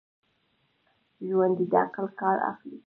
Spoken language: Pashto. ژوندي د عقل کار اخلي